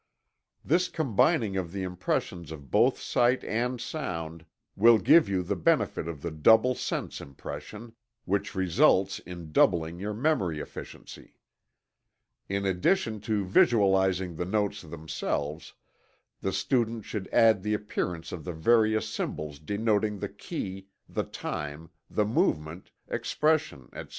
This combining of the impressions of both sight and sound will give you the benefit of the double sense impression, which results in doubling your memory efficiency. In addition to visualizing the notes themselves, the student should add the appearance of the various symbols denoting the key, the time, the movement, expression, etc.